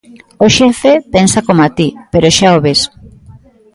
_O xefe pensa coma ti, pero xa o ves.